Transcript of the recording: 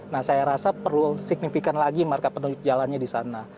nah saya rasa perlu signifikan lagi marka penunjuk jalannya di sana